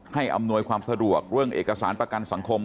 อำนวยความสะดวกเรื่องเอกสารประกันสังคม